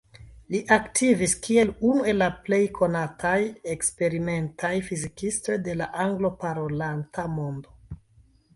Li aktivis kiel unu el la plej konataj eksperimentaj fizikistoj de la anglo-parolanta mondo.